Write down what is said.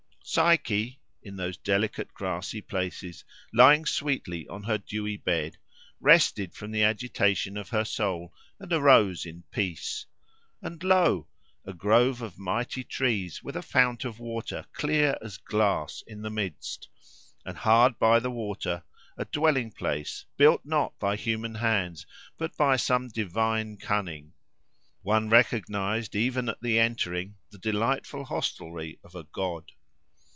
Psyche, in those delicate grassy places, lying sweetly on her dewy bed, rested from the agitation of her soul and arose in peace. And lo! a grove of mighty trees, with a fount of water, clear as glass, in the midst; and hard by the water, a dwelling place, built not by human hands but by some divine cunning. One recognised, even at the entering, the delightful hostelry of a god.